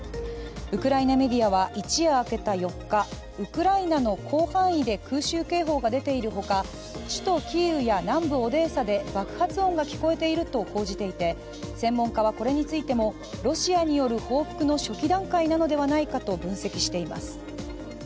ウクライナメディアは、一夜明けた４日、ウクライナの広範囲で空襲警報が出ているほか首都キーウや南部オデーサで爆発音が聞こえていると報じていて専門家はこれについてもロシアによる報復の初期段階なのではないかと分析しています。